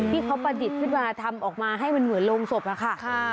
พี่เขาประดิษฐ์พิจารณาทำออกมาให้มันเหมือนโรงศพนะค่ะ